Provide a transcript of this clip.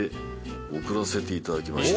「送らせていただきました」